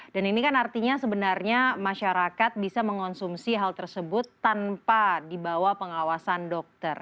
ini kan artinya sebenarnya masyarakat bisa mengonsumsi hal tersebut tanpa dibawa pengawasan dokter